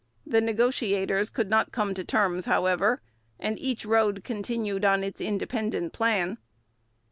The negotiators could not come to terms, however, and each road continued on its independent plan.